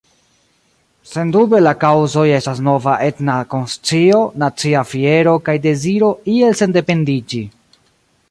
Sendube la kaŭzoj estas nova etna konscio, nacia fiero kaj deziro iel sendependiĝi.